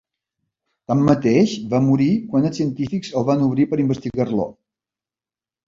Tanmateix, va morir quan els científics el van obrir per investigar-lo.